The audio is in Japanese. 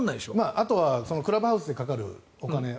あとはクラブハウスでかかるお金。